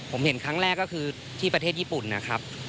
ผมเห็นครั้งแรกก็คือที่ประเทศญี่ปุ่นนะครับ